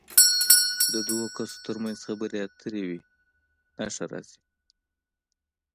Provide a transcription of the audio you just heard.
د دوو کسو تر منځ خبرې اترې وي نښه راځي.